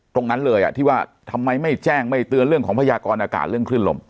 ตรงนั้นเลยที่ว่าทำไมไม่แจ้งไม่เตือนเรื่องของพยากรอากาศเรื่องคลื่นลม